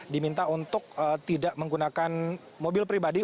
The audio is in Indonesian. diminta untuk tidak menggunakan mobil pribadi